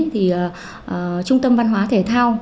thì trung tâm văn hóa thể thao